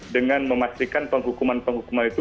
dengan memastikan penghukuman penghukuman itu